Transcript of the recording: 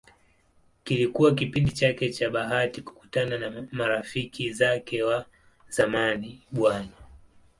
Kilikuwa kipindi chake cha bahati kukutana na marafiki zake wa zamani Bw.